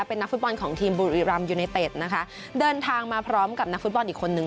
เป็นนักฟุตบอลของทีมบุรีรำยูไนเต็ดนะคะเดินทางมาพร้อมกับนักฟุตบอลอีกคนนึง